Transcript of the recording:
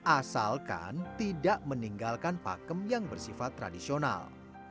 asalkan tidak meninggalkan pakem yang bersifat tradisional